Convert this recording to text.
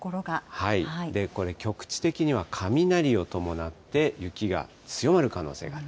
これ、局地的には雷を伴って、雪が強まる可能性がある。